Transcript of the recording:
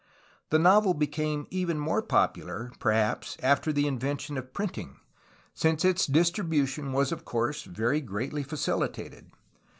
The novel became even more popular, perhaps, after the inven tion of printing, since its distribution was of course very greatly facilitated.